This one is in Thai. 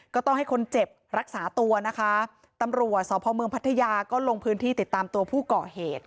ก็ต้องให้คนเจ็บรักษาตัวนะคะตำรวจสพเมืองพัทยาก็ลงพื้นที่ติดตามตัวผู้ก่อเหตุ